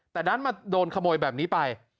แต่ดันมาโดนขโมยแบบนี้ไป